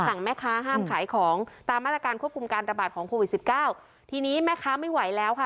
แม่ค้าห้ามขายของตามมาตรการควบคุมการระบาดของโควิดสิบเก้าทีนี้แม่ค้าไม่ไหวแล้วค่ะ